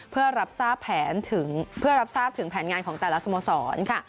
เพื่อรับทราบถึงแผนงานของแต่ละสโมสร